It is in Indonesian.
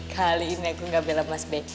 kali ini aku gak bilang mas be